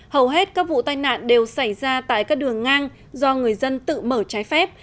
hầu hết các vụ tai nạn đều xảy ra tại các đường ngang do người dân tự mở trái phép